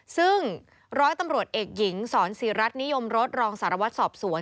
ซึ่งร้อยตำรวจเอกหญิงสอนศรีรัฐนิยมรสรองสารวัตรสอบสวน